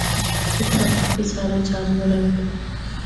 اِتھا کافی سارے جانور ہن۔